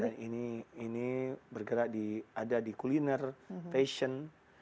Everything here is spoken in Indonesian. dan ini bergerak ada di kuliner fashion